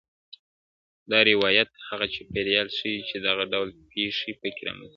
• دا روايت هغه چاپېريال ښيي چي دغه ډول پېښي پکي رامنځته کيږي..